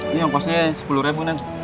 ini yang kosnya sepuluh nek